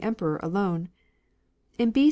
^j^^ Emperor alone. In B.